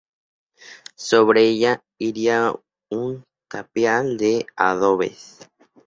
Sobre ella, iría un tapial de adobes.